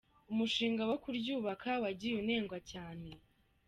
Umushinga wo kuryubaka wagiye unengwa cyane.